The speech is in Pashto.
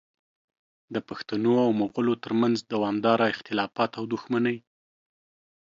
د پښتنو او مغولو ترمنځ دوامداره اختلافات او دښمنۍ